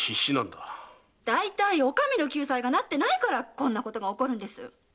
だいたいお上の救済がなってないからこんなことが起こるんです！